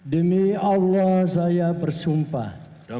demi allah saya bersumpah